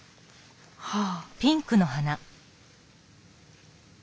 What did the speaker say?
はあ。